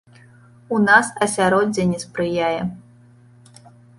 У нас асяроддзе не спрыяе.